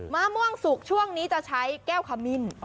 มะม่วงสุกช่วงนี้จะใช้แก้วขมิ้น